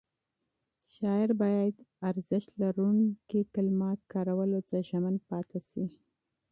شاعر باید معیاري کلماتو کارولو ته ژمن پاتې شي.